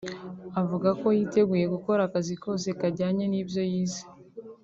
avuga ko yiteguye gukora akazi kose kajyanye n’ibyo yize